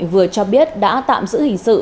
vừa cho biết đã tạm giữ hình sự